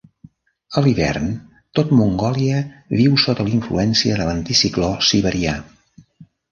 A l'hivern tot Mongòlia viu sota la influència de l'anticicló siberià.